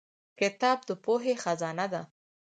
کتاب د پوهې خزانه ده